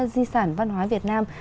di sản văn hóa việt nam